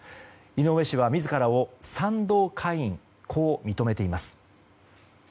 井上氏は自らを賛同会員と認めています。